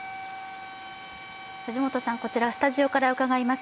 こちら、スタジオから伺います。